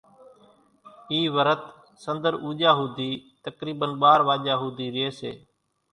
اِي ورت سنۮر اُوڄا ۿُودي تقريبن ٻار واڄا ھوڌي رئي سي